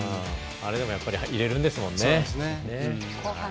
あれでも入れるんですもんね。